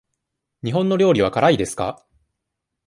日本の料理は辛いですか。